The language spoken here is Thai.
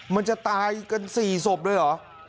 มันจะตายกัน๔ศพเลยเหรอ